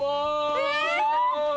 え！